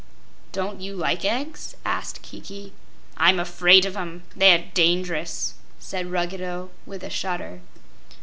"Don't you like eggs?" asked Kiki. "I'm afraid of 'em; they're dangerous!" said Ruggedo, with a shudder.